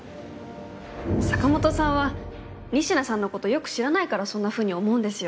坂本さんは仁科さんのことよく知らないからそんなふうに思うんですよ